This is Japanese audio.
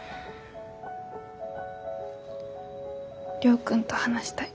亮君と話したい。